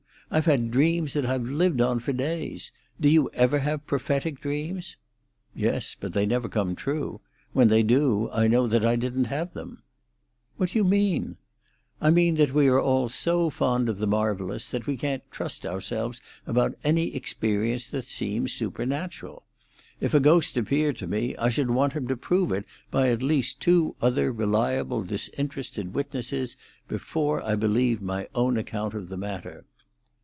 I've had dreams that I've lived on for days. Do you ever have prophetic dreams?" "Yes; but they never come true. When they do, I know that I didn't have them." "What do you mean?" "I mean that we are all so fond of the marvellous that we can't trust ourselves about any experience that seems supernatural. If a ghost appeared to me I should want him to prove it by at least two other reliable, disinterested witnesses before I believed my own account of the matter."